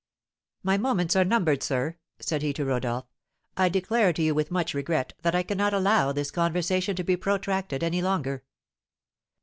"My moments are numbered, sir," said he to Rodolph. "I declare to you with much regret that I cannot allow this conversation to be protracted any longer."